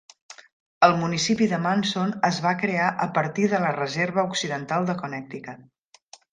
El municipi de Munson es va crear a partir de la Reserva Occidental de Connecticut.